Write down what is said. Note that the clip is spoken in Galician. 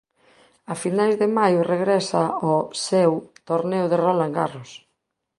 A finais de maio regresa ao "seu" torneo de Roland Garros.